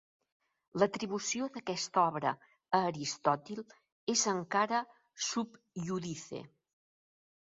L'atribució d'aquesta obra a Aristòtil és encara 'sub iudice'.